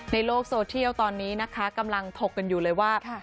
โลกโซเทียลตอนนี้นะคะกำลังถกกันอยู่เลยว่า